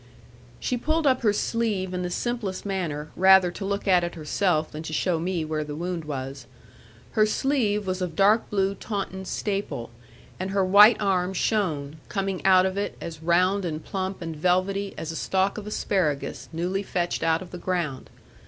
She pulled up her sleeve in the simplest manner, rather to look at it herself, than to show me where the wound was. Her sleeve was of dark blue Taunton staple; and her white arm shone, coming out of it, as round and plump and velvety, as a stalk of asparagus, newly fetched out of the ground.